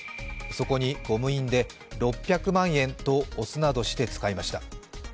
そこにゴム印で、６００万円と押すなどして使いました。